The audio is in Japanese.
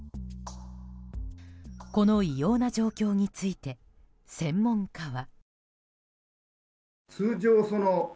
この異様な状況について専門家は。